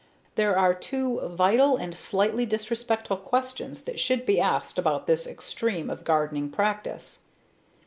There are two vital and slightly disrespectful questions that should be asked about this extreme of gardening practice.